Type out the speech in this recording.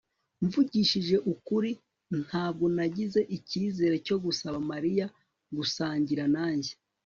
s] mvugishije ukuri, ntabwo nagize ikizere cyo gusaba mariya gusangira nanjye